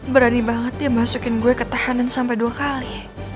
berani banget dia masukin gue ke tahanan sampai dua kali